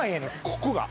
ここが。